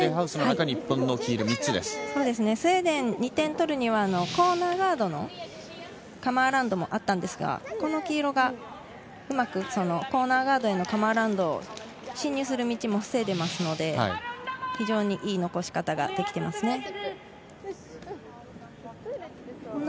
スウェーデンが２点取るにはコーナーガードのカムアラウンドもあったのですが、この黄色がうまくコーナーガードへのカムアラウンドを進入する道を防いでいますので非常にいい残し方ができていますね。